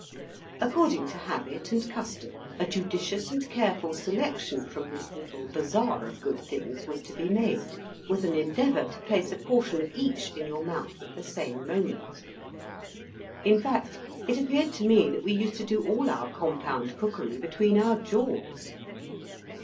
According to habit and custom, a judicious and careful selection from this little bazaar of good things was to be made, with an endeavour to place a portion of each in your mouth at the same moment. In fact, it appeared to me that we used to do all our compound cookery between our jaws.